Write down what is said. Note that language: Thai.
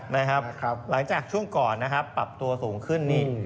หลังจากช่วงก่อนนะครับปรับตัวสูงขึ้นนี่